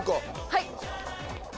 はい！